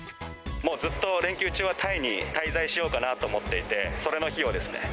もうずっと連休中は、タイに滞在しようかなと思っていて、それの費用ですね。